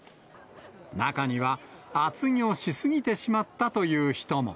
中には厚着をし過ぎてしまったという人も。